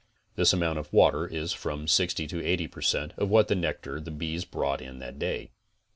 This amount of water is from 60 to 80 per cent of what nectar the bees brought in that day.